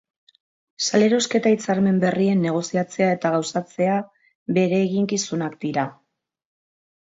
Salerosketa hitzarmen berrien negoziatzea eta gauzatzea bere eginkizunak dira.